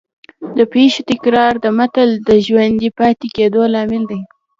د پېښو تکرار د متل د ژوندي پاتې کېدو لامل دی